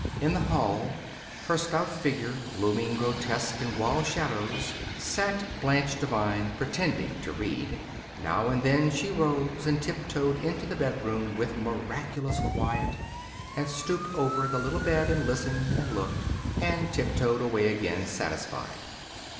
In the hall, her stout figure looming grotesque in wall shadows, sat Blanche Devine, pretending to read. Now and then she rose and tiptoed into the bedroom with miraculous quiet, and stooped over the little bed and listened and looked and tiptoed away again, satisfied.